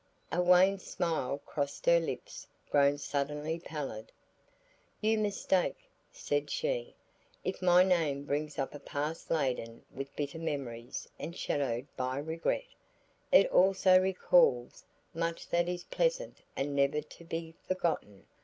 A wan smile crossed her lips grown suddenly pallid. "You mistake," said she; "if my name brings up a past laden with bitter memories and shadowed by regret, it also recalls much that is pleasant and never to be forgotten.